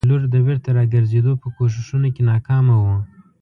د لور د بېرته راګرزېدو په کوښښونو کې ناکامه وو.